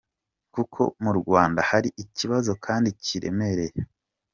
kuko murwanda hari ikibazo kandi kiremereye.